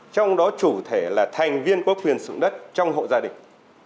trong đó chủ thể là thành viên có quyền sử dụng đất trong hộ gia đình